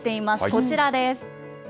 こちらです。